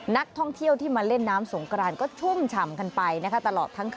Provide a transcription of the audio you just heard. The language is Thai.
นักท่องเที่ยวที่มาเล่นน้ำสงกรานก็ชุ่มฉ่ำกันไปนะคะ